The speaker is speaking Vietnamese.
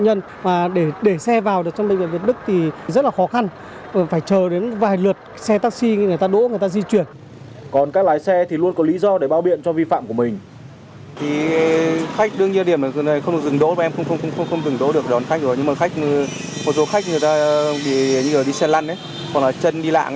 như đi xe lăn chân đi lạng thì đương nhiên là khó khăn cho cả khách và cả xe